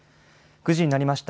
９時になりました。